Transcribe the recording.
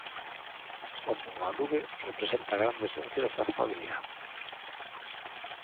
Juanma Marrube representa a grande esencia desta familia.